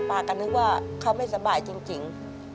ป้าก็นึกว่าเขาไม่สบายจริง